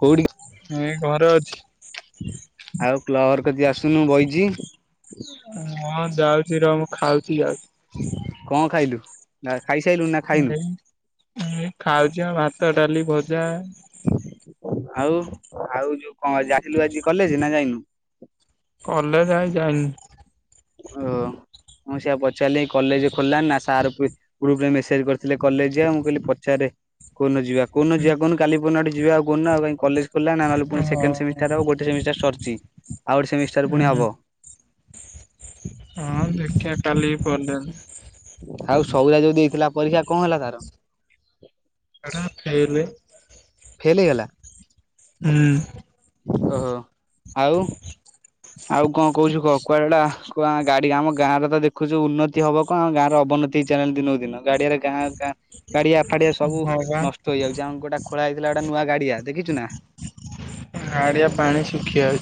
କୋଉଠି ଏଇ ଘରେ ଅଛି। ଆଉ କ୍ଲର୍କ ଦିଏ ଆସୁନୁ ବଇଚି। ହଁ ଯାଉଛି ରହ ମୁଁ ଖାଉଛି ଯାଉଚି । କଣ ଖାଇଲୁ ନା ଖାଇସାରିଲୁ ନା ଖାଇନୁ । ଯେ ଭାତ ଡାଲି ଭଜା । ଆଉ ଆଉ ଯୋଉ କଣ ଆସିଲୁ ଆଜି କଲେଜ ନା ଯାଇନୁ । କଲେଜ ଆାଇ ଯାଇନି । ଓ ମୁଁ ସେଆ ପଚାରିଲି କଲେଜ ଖୋଲଣି ନା ସାର୍ ଗ୍ରୁପରେ ମେସେଜ କରିଥିଲେ କଲେଜ ଯ ମୁଁ କହିଲି ପଚାରେ । କଉନ ଯିବା କଉନ ଯିବା କହ କାଲି ପନନାଡି ଯିବା ଆଉହୁନ ଆଉ କଁ କଲେ ଖୋଲାନା ନହେଲେ ପୁଣି ହଁ ସେକେଣ୍ଡ ସେମିଷ୍ଟାର ଆଉ ଗୋଟେ ସେମିଷ୍ଟ ସରିଛି ଆଉ ଗୋଟେ ସେମିଷ୍ଟାର ପୁଣି ହୁଁ ହବ । ହଁ ଦେଖିବା କାଲି କଲେଜ। ଆଉ ସଉଦା ଯୋଉ ଦେଇଥିଲା ପରୀକ୍ଷା କଣ ହେଲା ତାର? ସେଟା ଫେଲେ। ଫେଲ ହେଇଗଲା । ହୁଁ ଓହୋ ଆଉ ଆଉ କଣ କହୁଛୁ କ କୁଆଡେ ଗୋଟେ ଆ କ ଗାଡି ଆମ ଗାଁରେ ତ ଦେଖୁଛୁ ଉନ୍ନତି ହବ କଣ ଆମ ଗାଁରେ ଅବନତି ହେଇ ଚାଲ ଦିନକୁ ଦିନ ଗାଡିଆରେ ଗାଁ ଗାଁ ଗାଡିଆ ଫାଡିଆ ସବୁ ହଁ ବା ନଷ୍ଟ ହେଇଯାଉଛି ଆମ ଗୋଟେ ଖୋଳା ହେଇଥିଲା ଗୋଟେ ନୂଆ ଗାଡିଆ ଦେଖିଛୁ ନା ଗାଡିଆ ପାଣି ଶୁଖି ଆଉଛି ।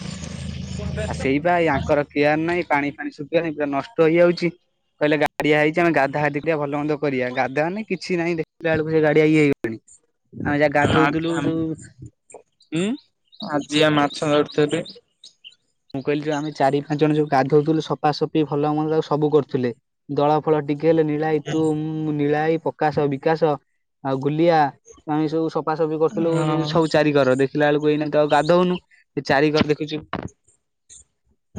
ଆଉ ସେଇ ବା ଆଙ୍କର କେୟାର ନାହିଁ ପାଣିଫାଣି ଶୁଖି ନା ପୁରା ନଷ୍ଟ ହେଇଯାଉଛି । କହିଲେ ଗାଡିଆ ହେଇଛି ଆମେ ଗାଧା ପା ଭଲମନ୍ଦ କରିବା ଗାଧାମାନେ କିଛି ନାହିଁ ଦେଖିଲା ବେଳକୁ ସେ ଗାଡିଆ ଇଏ ହେଇଗଲାଣି । ଆମେ ଯାହା ଗାଧଉଥିଲୁ ସବୁ ହୁଁ ଆଜିଆ ମାଛ ଧରୁଥୁଲି । ମୁଁ କହିଲି ଯୋ ଆମେ ଚାରି ପାଞ୍ଚ ଜଣ ଯୋଉ ଗାଧଉଥିଲୁ ସଫାସଫି ଭଲମନ୍ଦ ସବୁକରୁଥିଲେ ଦଳ ଫଳ ଟିକେ ଲେ ନୀଳଭାଇ ତୁ ନୀଳଭାଇ ପ୍ରକାଶ ବିକାଶ ଆଉ ଗୁଲିଆ ଆମେସବୁ ସ ସଫା ସବୁ ବି କରିୁଥିଲୁ ଯ ହଁ ସବୁ ଚାରିିକର ଦେଖିଲା ବେଳକୁ ଏଇନାାଇ ତ ଆଉ ଗାଧଉନୁ ସେ ଚାରିିକର ଦେଖୁଛୁ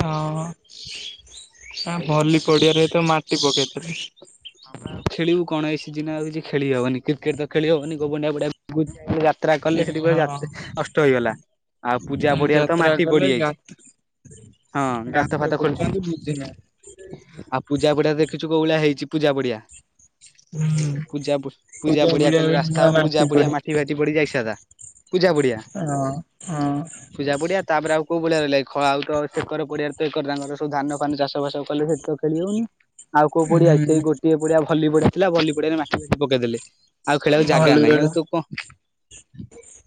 ହଁ ଆଉ ଭଲି ପଡିଆରେ ତ ମାଟି ପକେଇଥିଲ । ଖେଳିବୁ କଣ ଏଇ ସିଜିନରେ ଆଉ କିଛି ଖେଳି ହବନି କ୍ରିକେଟ ତ ଖେଳି ହଉନି ଗୋବରଡିଆ ପଡିଆ ଯାତ୍ରା କି କଲେ ସେଠି ପୁରା ଯା ହଁ ନଷ୍ଟ ହେଇଗଲା । ଆଉ ପୂଜା ପଡିବାରେ ତ ଯାତ୍ରା ମାଟି କଲେ ପଡିଯାଇଛି ଗାତ । ହଁ ଗାତ ଫାତ କରୁଛନ୍ତି ବୁଝିନାହାନ୍ତି। ଖୋଲି ଆଉ ପୂଜା ପଡିଆ ଦେଖିଛୁ କୋଉ ଭଳିଆ ହେଇଛି ପୂଜା ପଡିଆ ହୁଁ। । ପୂଜା ପୂଜା ପଡିଆ ବି କହିଲେ ରାସ୍ତା ନୂଆ ମାଟି ପୂଜା ପଡିଆ ପଡି ମାଟିଫାଟି ପଡିି ଯାଇଛାତା । ପୂଜା ପଡିଆ ହଁ ହଁ ପୂଜା ପଡିଆ ତାପରେ ଆଉ କୋଉ ଭଳିଆ ର ଲାଗେ ଖ ଆଉ ତ ସେକର ପଡିଆ ତ ଏକର ତାଙ୍କର ସବୁ ଧାନଫାନ ଚାଷଫାଶ କଲେ ସେଠିତ ଖେଳି ହଉନି । ଆଉ କୋଉ ପଡିଆ ଅଛି ହୁଁ ସେଇ ଗୋଏ ପଡିଆ ଭଲି ପଡିଆ ଥିଲା ଭଲି ପଡିଆରେ ମାଟିବାଟି ପକେଇଦେଲେ । ଆଉ ଖେଳିବାକୁ ଜାଗା ଭଲ ନାହିଁ ବେଳ ଆଉ ତୁ କଣ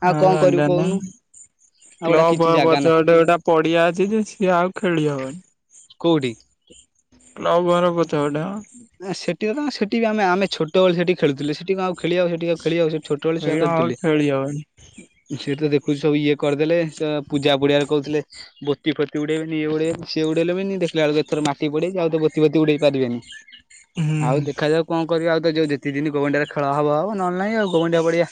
ଆଉ କଣ ଜାଗା କରିବୁ ନାହିଁ। କହୁନୁ । କ୍ଲବ ପଛ ଗଟେ ଗୋଟା ପଡିଆ ଅଛି ଯେ ସିଏ ଆଉ ଖେଳି ହବନି । କୋଉଠି? କ୍ଲବଘର ପଛପଟେ ମ ସେଠି ତ କଣ ସେଠି ବି ଆେ ଆମେ ଛୋଟ ଭଳି ସେଠି ଖେଳୁଥିଲେ ସେଠି କ ଆଉ ଖେଳିବାକୁ ସେଠି ଖେଳିବାକୁ ସେଠି ଛୋଟବେଳେ ଛୁଆ ଆଉ ଖେଳୁଥିଲେ ଖେଳି ହବନି ସେ ଦେ ସବ ଏ କରିଦଲେ ପୂଜା ପୁଡିଆରେ କହୁଥିଲେ, ବୋତିଫୋତି ଉଡେଇବଇଏ ଉଡେଇ ସିଏ ଉଡେଇଲେ ବି ଦେଖିଲା ବେଲୁକୁ ଏଥ ମାଟି ପଡ଼ାଇଛି ଆଉ ତ ବୋତିଫୋତି ଉଡ଼ାଇ ପାରିବେନି । ହୁଁ। ଆଉ ଦେଖାଯାଉ କଣ କରିବା ଆଉ ତ ଯଉତିି ଦିନ ଗୋବଡିଆରେ ଖେଳ ହବ ହବଉ ନହେଲେ ନାଇଁ ଆଉ ଗୋବଡିା ପଡିଆ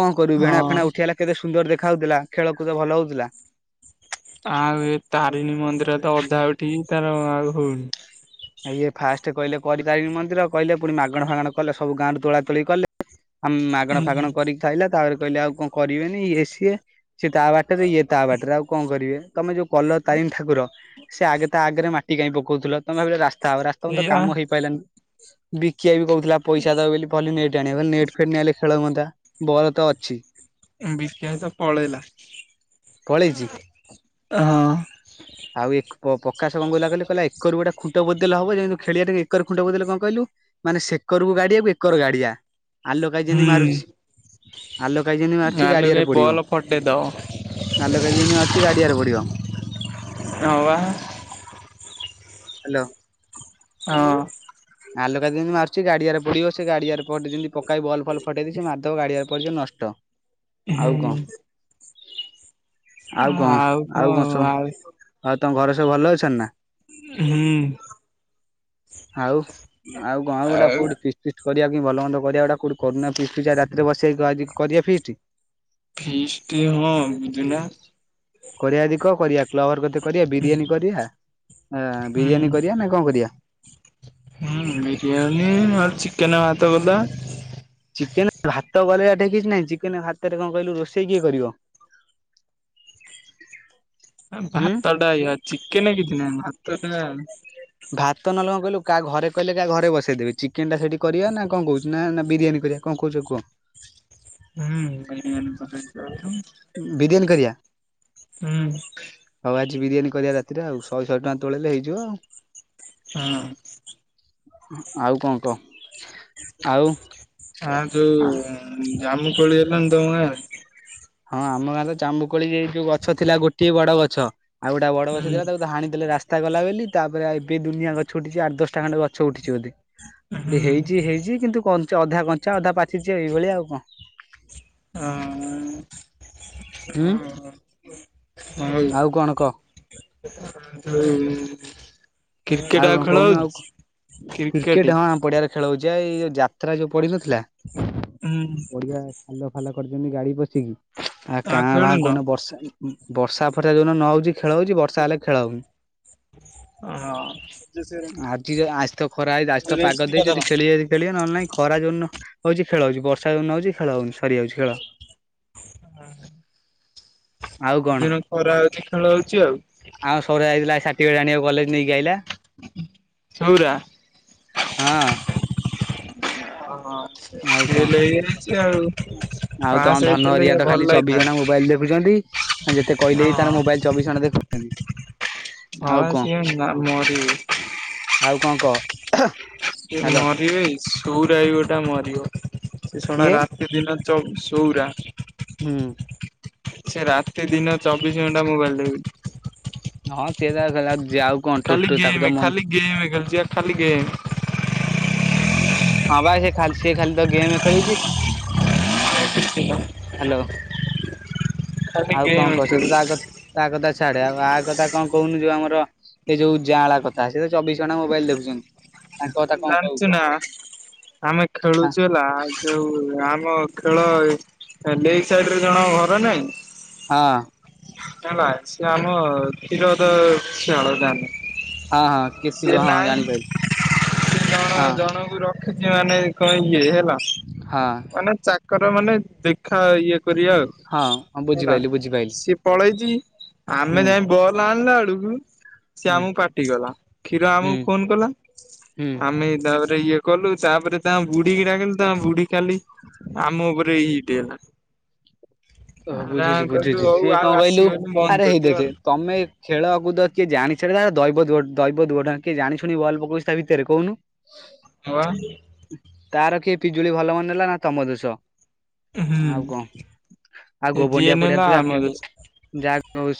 କଣ କରିବୁ ହଁ ବେଣାଫେଣା ଉଠିଲା କେତେ ସୁନ୍ଦର ଦେଖା ହଉଥିଲା। ଖେଳକୁଦ ଭଲ ହଉଥିଲା । ଆଉ ଏ ତାରିଣୀ ମନ୍ଦିର ତ ଅଧା ଉଠିକ ତାର ଆଉ ହଉନି । ଇଏ ଫାଷ୍ଟ କହିଲେ କରିପାରିନି ମନ୍ଦିର କହିଲେ ପୁଣି ମାଗଣା ଫାଗଣ କଲେ ସବୁ ଗାଁରୁ ତୋଳାତୋଳି କଲେ ଆମେ ମାଗଣା ହୁଁ ଫାଗଣ କରିକି ଖାଇଲା ତାପରେ କହିଲେ ଆଉ କଣ କରିବେନିଏ ସିଏ ସିଏ ତା ବାଟରେ ଇଏ ତା ବାଟରେ ଆଉ କଣ କରିବେ, ତମେ ଯୋଉ କଲ ତାରିଣ ଠାକୁର ସେ ଆଗେ ତା ଆଗରେ ମାଟି ଟିକ କାଇଁ ପକଉଥିଲ ତମେ ଭାବିଲ ରାସ୍ତା ହବ ରାସ୍ତା ତ ସେଇଆ କାମ ହେଇପାରିଲାନି । ବିକିଆ ବି କହୁଥିଲା ପଇସା ଦଉ ବୋଲି ନେଟ୍ ଆଣିବାଲେ ନେଟ୍ ଫେଟ ନେଲେ ଖେଳୁନ୍ତା ବଲତ ଅଛି । ବିକାଶ ପଳେଇଲା । ପଳେଇଛି? ଆଉ ଏକ ପ୍ରକାଶ ଗଙ୍ଗୁଲା କହିଲ କହିଲା ଏକରୁ ଗୋଟେ ଖ ଖୁ ବଦଲ ହବ ଯେମିତି ଖେଳିବା ଟ ଏକର ଖୁଣ୍ଟ ବଦଲ କଣ କହିଲୁ ମାନେ ସେ ଏକରକୁ ଗାଡିଆକୁ ଏକର ଗାଡିଆ ଆଲୁ କାଇ ଯେମତି ହୁଁ ମାରୁଛି। ଆଲ କା ଜିନି ମାରୁଛି ଆଲୋ ଗାଡିଆରେ କାଇଁ ପଡିବ ବଲ ଫଟେଇ ଦବ ଆଲ କା ଜିନି ମାରୁଛି ଗାଡିଆରେ ପଡିବ। ହୱ। ହ୍ୟାଲୋ। ହଁ। ଆଲୋକା ଯେମିତି ମାରୁଚଛି ଗାଡିଆରେ ପଡିବ, ସେ ଗାଡିଆରେମିତି ପକେଇ ବଲ ଫଲ ଫଟେଇଦି ସେ ମିଦବ ଗାଡିଆରେ ପଡିଯିବ ନଷ୍ଟ ଆଉ କଣ ହୁଁ। ଆଉ କଣ ଆଉ କଣ ସବୁ ଆଉ ତମ ଘର ସବୁ ଭଲ ଅଛନ୍ତି ନା। ହୁଁ। ଆଉ ଆଉ ଗଁ ଗୁଡା ଆଉ କୋଉଠିି? କରିବା ପାଇଁ ଭଲ ମନ୍ଦ କରିବା ଗଟା କୋଉି କରୁନା ରାତିରେ ବସେଇ କରିବା ଫିଷ୍ଟି। ଫିସ୍ଟି ହଁ ବୁଜୁନା। କରିବା ଯଦି କଣ କରିବା ଫ୍ଲୱର କତେ କରିବା ବିରିୟାନୀ କରିବା। ହଁ ବିରିୟାନୀ କରିବା ନା କଣ କରିବା? ହଁ ବିରିୟାନୀ ମ ଚିକେନ ତବଲା। ଚିକେନ ଭାତ କରିଆଠି କିଛି ନାହିଁ ଚିକେନ ଭାତରେ କଣ କହିଲୁ ରୋଷେଇ କିଏ କରିବ। ଉଁ ଭାତ ଟାଉ ଚିକେନ କିଛି ନାହି ଭାତଟା ଭାତ ନେଲେ କଣ କହିଲୁ କା ଘରେ କହିଲେ କାହା ଘରେ ବସେଇଦେବ। ଚିକେନ ଟା ସେଠି କରିବା ନା କଣ କହୁଛି ନା ବିରିୟାନୀ କଣ କହୁଛ କୁହ? ହୁଁ। ବିରିୟାନୀ କରିବା [unintelligible] ହଉ ହୁଁ। ବିରିୟାନୀ କରିବା ରାତିରେ ଆଉ ଶହେ ଶହେ ଟଙ୍କା ତୋଳେଇଲେ ହେଇଯିବ ଆଉ। ହଁ ଆଉ କଣ କହ? ଆଉ ଆ ତୁ ଜାମୁ କୋଳି ହେଲାଣି ତମ ଆଡେ? ହଁ ଆମ ଗାଁରେ ଜାମୁକୋଳି ଏଇ ଯୋଉ ଗଛ ଥିଲା ଗୋଟିଏ ବଡ ଗଛ। ଆଉ ଗୋଟ ତ ବଡ ଗଛ ହୁଁ ଥିଲା ତାକୁ ତ ହାଣି ଣି ଦେଲେ ରା ରାସ୍ତା କଲା ବୋଲି ତାପରେ ଏବେ ଦୁନିଆ ଗଛ ଉଠିଛି ଆଠ ଦଶଟା ଖଣ୍ଡେ ଗଛ ଉଠିଛି ବଧେ ହୁଁ ହେଇଛି ହେଇଛି କିନ୍ତୁ କଞ୍ଚା ଅଧା କଞ୍ଚା ଅଧା ପାଚିଛି ଏଇଭଳିଆ ଆଉ କଣ ହଁ ହୁଁ ହଁ ଆଉ କଣ କହ ହ। ହଉ। କ୍ରିକେଟ ଆଉ କଣ ଖେଳ କହୁନୁ ହଉଛି ଆଉ କ୍ରିକେଟ ହଁ ପଡିଆରେ ଖେଳ ହଉଛି ଏଇଉ ଏା ଯାତ୍ରା ପଡିିନଥିଲା। ହୁଁ। ହାଲ ଫାଲ କରିଛନ୍ତି ଗାଡି ପଶିକି ଆ ଆଉ କାଁ ଭାଁ ଖେଳୁନ? କହୁନ ବର୍ଷା ବର୍ଷା ଫର୍ଷା ଯୋଉନ ନ ହଉଛି ଖେଳ ହଉଛି ବର୍ଷା ହେଲେ ଖେଳ ହଉନି ଓ ହଁ। ଆଜି ଆସି ତ ଖରା ହେଇ ଆସି ପାଗ ଦେଇ ଯଦି ଖେଳି ଯଦି ଖେଳିବ ନହେଲେ ନାଇଁ ଖରା ଜ ହଉଛି ଖେଳ ହଉଛି ବର୍ଷା ଦଉ ହଛି ଖେଳ ହଉନି ସରିଯାଉଛି ଖେଳ ହଁ। ଆଉ ଦ କଣ ଦିନ ଖରା ହଉଛି ଖେଳ ହଉଛି ଆଉ। ଟିକେ ଜାଣିବା କଲେଜ ନେଇକି ଆାଇଲା ସଉୁର ହଁ ଆଉ ଫେଲ ହେଇଯାଇଛି ଆଉ କଣ ଆଉ ତମ ପାସ୍ ଧନ ହେଇଥିଲେ ହରିଆ ତ ଭଲ ଖାଲି ଚବିଶ ଲାଗିଥାନ୍ତା ଘଣ୍ଟା ମୋବାଇଲ ଦେ ଯେତେ କହିଲେ ହଁ ତାର ମୋବାଇଲ ଚବିଶ ଘଣ୍ଟା ଦେଖୁଛନ୍ତି। ହଁ ସେ ମରି ଆଉ କଣ କହ? ସେ ହ୍ୟାଲୋ ମରିବେ ସୁରାଇ ଗୋଟା ମରିବ ସେ ଶୁଣ କିଏ ରାତି ଦିନ ସଉରା ହୁଁ। ସେ ରାତି ଦିନ ଚବିଶ ଘଣ୍ଟା ମୋବାଇଲ ଦେଖୁଚି ହଁ ସେ ତାର ଆଉ କଣ ଖାଲି ଟୁଟୁ ତାକୁ ତ ଗେମ ମନ ଖାଲି ଗେମ ଖେଳୁଛି ଖାଲି ଗେମ ହଁ ଭାଇ ସେ ଖାଲି ସେ ଖାଲି ତ ଗେମ ଖେଳୁଛି। ହ୍ୟାଲୋ ଖାଲି ଆଉ କଣ ଗେମ୍ କହ ସେ ତ ଯା ଖେଳୁଛି କରୁଛି ତା କଥା ଚାଡେ ଆଉ ଆ କଥା କଣ କହୁନୁ ଯୋଉ ଆମର ସେ ଯୋଉ ଜାଁଳା କଥା ସେ ତ ଚବିଶ ଘଣ୍ଟା ମୋବାଇଲ ଦେଖୁଛନ୍ତି। ତାଙ୍କ କଥା କଣ କହିବୁ ଜାଣିଛୁ କହ ନା ଆମେ ହଁ ଖେଳୁଛୁ ହେଲା ଯୋଉ ଆମ ଖେଳ ଲେପଟ ସାଇଡରେ ଜଣଙ୍କ ଘର ନାଇଁ ହଁ। ହେଲା ସେ ଆମ ଖିରଦ ଛାଡ ଜାଣିନୁ ହଁ ହଁ କିଏ ଥିବ ହଁ ଜାଣିପାରିବି। ସେ ଜଣ ଜଣଙ୍କୁ ରଖିଛି ମାନେ କଣ ଇଏ ହେଲା ହଁ ମାନେ ତାର ମାନେ ଦେଖା ଇଏ। କରିବା ଆଉ ହଁ ହଁ ହେଲା ବୁଝିପାଇଲି ବୁଝିପାଇଲି ସିଏ ପଳେଇଛି ଆମେ ହୁଁ ଯାଇ ବଲ ଆଣିଲା ଆ ସେ ହୁଁ ଆମକୁ ପାଟି ଗଲା କ୍ଷୀର ହୁଁ ଆମକୁ ଫୋନ କଲା ହୁଁ ଆମେ ଇଏ କଲୁ ତାପରେ ତା ବୁଢୀ କିି ଡାକିଲୁ ତା ବୁଢୀ ଖାଲି ଆମ ଉପରେ ଏଇ ଇଏ ହେଲା। ଓ ହୋ ଆରେ ବୁଝୁଛି ଆମେ କହିଲୁ ବୁଝୁଛି ହଉ ସିଏ ଆଉ କଣ କହିଲୁ ଆସିବନି ବନ୍ଦ ଆରେ ହେଇ କରିଦିଅ ଦେଖେ ଆଉ। ତମେ ଖେଳକୁଦ କିଏ ଜାଣିଛ। ସେଟା ତ ଦୈବ ଦୈବ ଦୁଘଟଣା କିଏ ଜାଣି ଶୁଣି ବଲ୍ ଟା ପକଉଛି ଭିତରେ କହୁନୁ। ହଁ ବା ତାର କିଏ ପିଜୁଳି ଭଲ ମନ୍ଦ ନେଲା ନା ତମ ଦୋଷ ଆଉ କଣ ହୁଁ ଆଉ ଯିଏ ଗୋବଣ୍ଡିଆ ନେଲା ପଡିଆରେ ଯା ଆମ ଦୋଷ। ଯା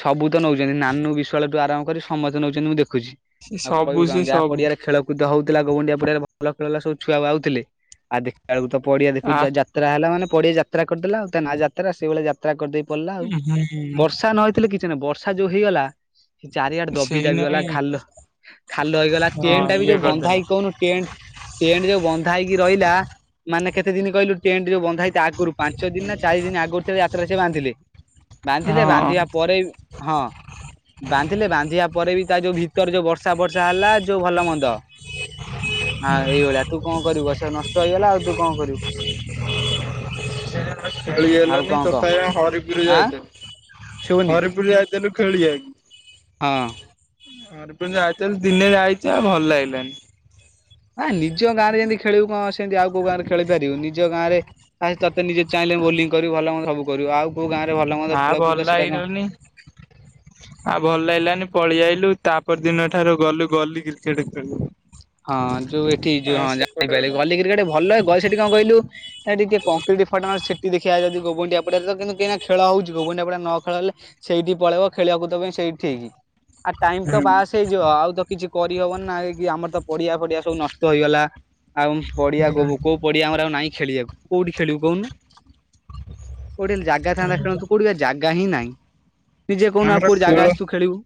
ସବୁ ତ ନେଉଛନ୍ତି ନାନୁ ବିଶ୍ୱାଳ ଠୁ ଆରମ୍ଭ କରି ସମସ୍ତେ ନେଉଛନ୍ତି ମୁଁ ଦେଖ ଦେଖୁଛି ସେ ଆଉ ସବୁ କହିବୁ କଣ ସେ ଯାହା ସବୁ ପଡିଆରେ ଖେଳକୁଦ ହଉ। ଥିଲା ଗ ଗୁଣ୍ଡିଆ ପଡ଼ିଆରେ ଭଲ ଖେଳ ହେଲା ସବୁ ଛୁଆ ବା ଆଉଥିଲେ ଆଉ ଦେଖିଲ ବେଳକୁ ତ ପଡିଆ ଆ ଦେଖୁଚୁ ଯାତ୍ରା ହେଲା ମାନେ ପଡିଆ ଯାତ୍ରା କରିଦେଲା ଆଉ ତା ନା ଯାତ୍ରା ସେଇଭଳିଆ ଯାତ୍ରା କରିଦେଇ ପଳେଇଲା, ଆଉ ହୁଁ ବର୍ଷା ନହେଇଥିଲେ କି ସେ ବର୍ଷା ଯୋଉ ହେଇଗଲା, ସେ ଚାରିଆଡେ ଦବି ସେଇ ଦାବି ଗଲା ଖାଲ ନାଇଁ ଖାଲ ହେଇଗଲା ହଁ ଟେଣ୍ଟ ଟା ବି ଇଏ ଯୋଉ ବନ୍ଧା କରିଦେଲା ହେଇ ହଁ। କହୁନୁ ଟେଣ୍ଟ ଟେଣ୍ଟ ଯୋଉ ବନ୍ଧା ହେଇକି ରହିଲା ମାନେ କେତେ ଦିନ କହିଲୁ? ଟେଣ୍ଟ ଯୋଉ ବନ୍ଧା ହେଇଛି, ଆଗରୁ ପାଞ୍ଚ ଦିନ ନା ଚାରି ଦିନ ଆଗୁ ଯାତ୍ରାରେ ସେ ବାନ୍ଧିଲେ ବାନ୍ଧିଲେ ବାନ୍ଧିବା ପରେ ହଁ। ବାନ୍ଧିଲେ ବାନ୍ଧିବା ପରେ, ବି ତା ଯୋଉ ଭିତର ଯୋଉ ବର୍ଷା ବର୍ଷା ହେଲା ଯୋଉ ଭଲ ମନ୍ଦ ହଁ ଏଇଭଳିଆ ତୁ କଣ କରିବୁ? ସେ ନଷ୍ଟ ହେଇଗଲା ଆଉ ତୁ କଣ କରିବୁ? [unintelligible] ଆଉ ହେଲାନି କଣ କହ [unintelligible] ହରିପୁର ଆଁ ଯାଇଥିଲୁ ଶୁଭୁନି ।ହରିପୁର ଯାଇଥିଲୁ ଖେଳିବାକୁ ହଁ। ହଁ ଯାଇଥିଲୁ, ଦିନେ ଯାଇଛି ଆଉ ଭଲ ଲାଗି ଲାନି। ନା ନିଜ ଗାଁରେ ଯେମିତି ଖେଳିବୁ, କଣ ସେମିତି ଆଉ କୋଉ ଗାଁରେ ଖେଳି ପାରିବୁ। ନିଜ ଗାଁ ରେ ତତେ ନିଜ ଚାହିଁ ବୋଲିଂ କରିବ ଭଲମନ୍ଦ ସବୁ କରିବୁ ଆଉ କୋଉ ଗାଁରେ ଭଲ ମନ୍ଦ ନା ଖେଳକୁଦ ଭଲ ସେଇଟା କଣ ଲାଗିଲାନି, ଆଉ ଭଲ ଲାଗିଲାନି। ପଳେଇଆଇଲୁ ତାପ ଦିନ ଠାରୁ ଗଲୁ ଗଲି କ୍ରିକେଟ ଖେଳ ହଁ ଯୋଉ ଏଠି ଯୋଉ ହଁ ଜାଣିପାରିଲି ଗୋଟା [unintelligible] ଭଲଲାଗେ ସେଠି କଣ କହିଲୁ ସେଠି ଟିକେ କ [unintelligible] ଦେଖଆ [unintelligible] ଗୋବୁଣ୍ଡିଆପଡାରେ ତ କିନ୍ତୁ କାହିକନା ଖେଳ ହଉଛି ଗୋବଣ୍ଡିଆପଡା ନ ଖେଳହେଲେ ସେଇଠି ପଳେଇବ ଖେଳକୁଦ ପାଇଁ ସେଇଠି ଠିକ। ଆଉ ଟାଇମ ତ ହୁଁ ପାସ୍ ହେଇଯିବ ଆଉ ତ କିଛି। କରିହବନି ନା କି ଆମର ତ ପଡିଆ ଫଡିଆ ସବୁ ନଷ୍ଟ ହେଇଗଲା। ଆଉ ପଡିଆ ଗୋବ ହୁଁ କୋଉ ପଡିଆ, ଆମର ଆଉ ନାଇଁ ଖେଳିବାକୁ କୋଉଠି ଖେଳିବୁ କହୁନୁ? କୋଉଠି ଜାଗା ଥାଆନ୍ତା ଖେଳନ୍ତୁ କୋଉଠି ଜାଗା ହିଁ ନାହିଁ। ନିଜେ କହୁନୁ ଆଉ ଆମର କୋଉଠି ଖେଳ ଜାଗା ଅଛି ତୁ ଖେଳିବୁ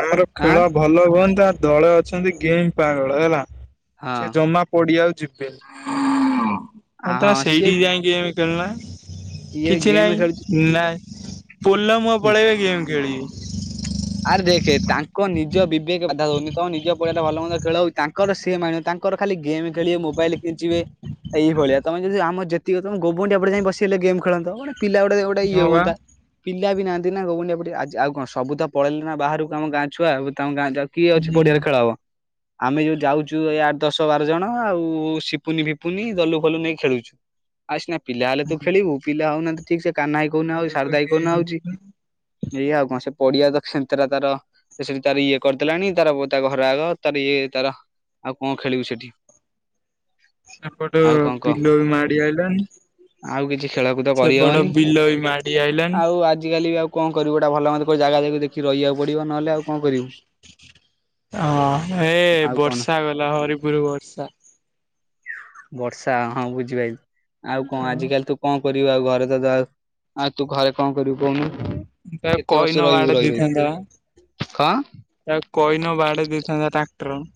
ଆମର ଆଁ ଖେଳ ଭଲ ହୁଅନ୍ତା, ଦଳ ଅଛନ୍ତି ଗେମ୍ ପାଗଳ ହେଲା, ହଁ। ସେ ଜମା ପଡିଆକୁ ତ ଆ ହଁ ସିଏ ସେଇଠିକି ଯାଇକି ଗେମ ଖେଳୁନ। ଇଏ କିଛି ଗେମ୍ ଖେଳୁଛି ନାହିଁ ନାଇଁ ପୋଲ ମୁଁ ପଳେଇବେ ଗେମ୍ ଖେଳିବି। ଆରେ ଦେଖେ ତାଙ୍କ ନିଜ ବିବେକ ବାଧା ହଉନି, ତମ ନିଜ ପଡିଆରେ ଭଲ ମନ୍ଦ ଖେଳ ହଉଛି ତାଙ୍କର ସେ ମାନେ ତାଙ୍କ ଙ୍କର ଖାଲି ଗେମ୍ ଖେଳିବେ, ମୋବାଇଲ କେଞ୍ଚିବେ ଏଇଭଳିଆ ତମେ ଯଦି, ଆମ ଯେତିକ ତମ ଗୋବୁଡି ଆରେ ଯାଇ ବସି ହେଲେ ଗେମ୍ ଖେଳନ୍ତ ପିଲା ଗୋଟେ ଗୋଟେ ଇଏ ହଁ ବା ହୁଅନ୍ତା, ପିଲା ବି ନାହାନ୍ତି ନା ଗୋବୁଡି ଆଉ କଣ ସବୁ ତ ପଳେଇଲି ନା ବାହାରକୁ। ଆମ ଗାଁ ଛୁଆ ତ ଗାଁରେ କିଏ ଅଛି ହୁଁ ପଡିଆରେ ଖେଳ ହବ। ଆମେ ଯୋଉ ଯାଉଛୁ ଏଇ ଆଠ ଦଶ ବାର ଜଣ, ଆଉ ସିପୁନି ଫିପୁନି ଦଲୁ ଫଲୁ ନେଇ ଖେଳୁଛୁ। ଆଉ ସିନା ପିଲା ହେଲେ ତୁ ଖେଳିବୁ, ପିଲା ହଉନାହାନ୍ତି ଠିକ ସେ କାହ୍ନା ଭାଇ କୋଉଦିନ ଆଉଛି ସାରଦା ଭାଇ କୋଉଦିନ ଗେମ୍ ଆଉଛି। ଏଇ ଆଉ କଣ ସେ ପଡିଆ ତ ସେତେରା ତାର ସେଠି ତାର ଇଏ କରିଦେଲାଣି, ତାର ତା ଘର ଆଗ ତାର ଇଏ ତାର ଆଉ କଣ ଖେଳିବୁ ସେଠି? ସେପଟ ଆଉ କଣ କହ ବିଲ ବି ମାଡି ଆଇଲାଣି। ଆଉ କିଛି ଖେଳକୁଦ ସେପଟ କରିହବନି। ବିଲ ବି ମାଡି ଆଇଲାଣି ଆଉ ଆଜିକାଲି ବି ଆଉ କଣ କରିବୁ କୋଉଟା ଭଲ ମନ୍ଦ କୋଉ ଜାଗା ଦେଖିକି ରହିବାକୁ ପଡିବ, ନହେଲେ ଆଉ କଣ କରିବୁ। ହଁ ଏ ଆଉ କଣ ବର୍ଷା ଗଲା ହରିପୁର ବର୍ଷା। ବର୍ଷା ହଁ ବୁଝିପାଇଲି, ଆଉ କଣ ଆଜିକାଲି ତୁ କଣ ପଢ଼ିବା ଆଉ ଘରେ ତୁ ଘରେ କଣ କରିବୁ, କହୁନୁ ତାକୁ କେତେ କହିନ ବର୍ଷ ରହିବୁ ବାଡେଇ ରହି ରହି? ଦେଇଥାନ୍ତା କଣ? ତାକୁ କହିନ ବାଡ଼େଇ ଦେଇଥାନ୍ତା ତା ଟ୍ରନ୍